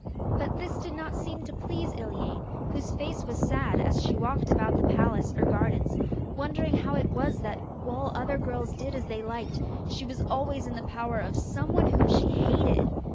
But this did not seem to please Iliane, whose face was sad as she walked about the palace or gardens, wondering how it was that, while other girls did as they liked, she was always in the power of someone whom she hated.